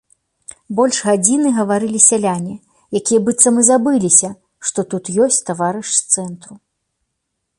Больш гадзіны гаварылі сяляне, якія быццам і забыліся, што тут ёсць таварыш з цэнтру.